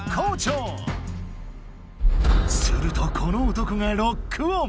するとこの男がロックオン！